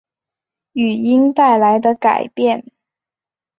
语音带来的改变